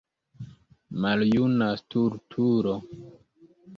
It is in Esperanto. Maljuna stultulo!